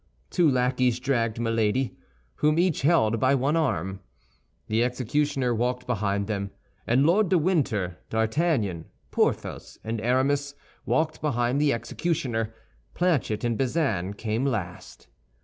Two lackeys dragged Milady, whom each held by one arm. The executioner walked behind them, and Lord de Winter, D'Artagnan, Porthos, and Aramis walked behind the executioner. Planchet and Bazin came last.